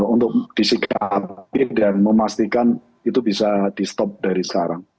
untuk disikapi dan memastikan itu bisa di stop dari sekarang